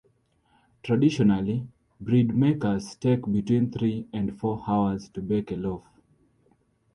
Traditionally, breadmakers take between three and four hours to bake a loaf.